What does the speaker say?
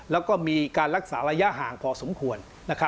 แล้วก็มีการรักษาระยะห่างพอสมควร